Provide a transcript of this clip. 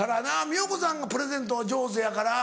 美代子さんがプレゼント上手やから。